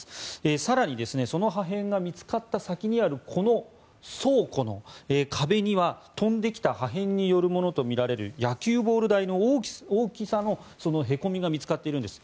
更に、その破片が見つかった先にあるこの倉庫の壁には飛んできた破片によるものと思われる野球ボール大の大きさのへこみが見つかっているんです。